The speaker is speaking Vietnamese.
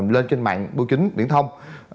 lên trên mạng bộ chính biển thông